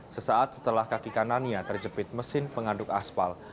sesaat setelah kaki kanannya terjepit mesin pengaduk aspal